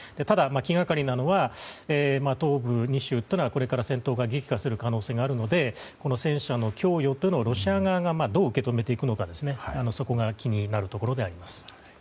ただ、気がかりなのは東部２州というのはこれから戦闘が激化する可能性があるので戦車の供与というのをロシア側がどう受け止めていくのかそこが気になるところであります。